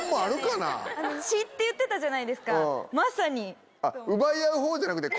「血」って言ってたじゃないですかまさにと思って。